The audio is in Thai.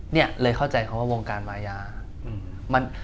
เนี่ยเลยเข้าใจเขาว่าวงการมายา